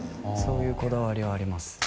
そういうこだわりはあります